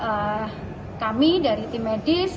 ketua umum dt muhammadiyah ke dua ribu dua ribu lima